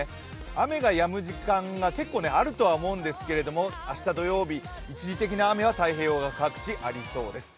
雨がやむ時間が結構あると思うんですけれども、明日土曜日、一時的な雨は太平洋側各地ありそうです。